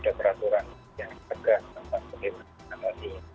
lalu ada peraturan yang tegas tentang penghinaan dan penyelidikan